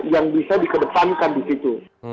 yang bisa dikedepankan di situ